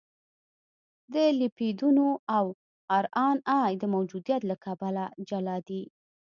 د لیپیدونو او ار ان اې د موجودیت له کبله جلا دي.